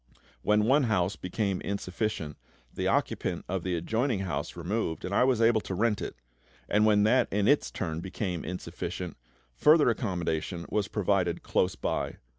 When one house became insufficient, the occupant of the adjoining house removed, and I was able to rent it; and when that in its turn became insufficient, further accommodation was provided close by.